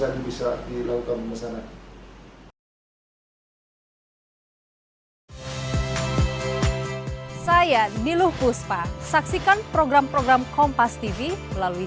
saat ini bisa dilakukan pengesanan saya niluh kuspa saksikan program program kompas tv melalui